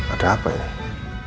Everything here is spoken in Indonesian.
ada apa ini